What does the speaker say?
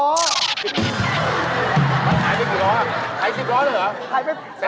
มันขายไปกี่ล้อขาย๑๐ล้อเลยเหรอ